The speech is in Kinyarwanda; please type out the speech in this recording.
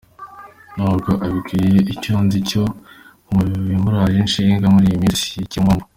nubwo abikwiye icyo nzi cyo mubimuraje inshinga muri iyi minsi sikibumbano.